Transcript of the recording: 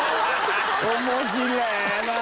面白えなあ！